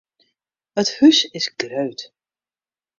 It hús is grut.